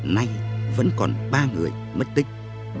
nay vẫn còn ba người mất tích